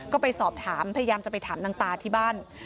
ก็ไปสอบถามพยายามจะไปถามนางตาที่บ้าน